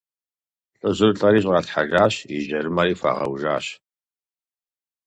Лӏыжьыр лӏэри щӏалъхьэжащ и жьэрымэри хуагъэужащ.